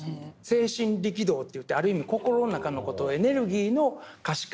精神力動っていってある意味心の中の事をエネルギーの貸し借り。